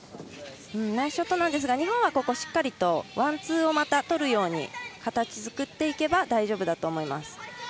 ナイスショットなんですが日本はここでしっかりとワン、ツーをまた、とるように形作っていけば大丈夫だと思います。